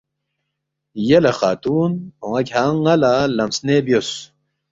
یلے خاتُون اون٘ا کھیانگ ن٘ا لہ لم سنے بیوس